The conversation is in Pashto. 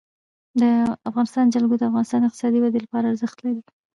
د افغانستان جلکو د افغانستان د اقتصادي ودې لپاره ارزښت لري.